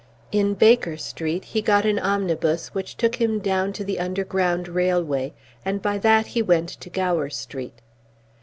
In Baker Street he got an omnibus which took him down to the underground railway, and by that he went to Gower Street.